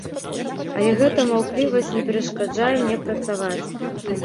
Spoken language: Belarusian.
Але гэта маўклівасць не перашкаджае мне працаваць.